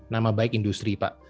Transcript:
nama baik industri pak